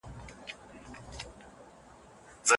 هغه سړي به د خپل نفس د اصلاح لپاره په عبادت کي وخت تېراوه.